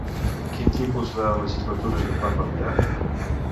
Quin tipus de legislatures es van validar?